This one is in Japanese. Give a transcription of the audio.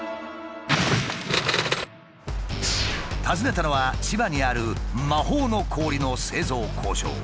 訪ねたのは千葉にある魔法の氷の製造工場。